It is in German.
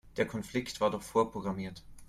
Der Konflikt war doch vorprogrammiert.